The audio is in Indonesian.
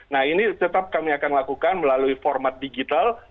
nah ini tetap kami akan lakukan melalui format digital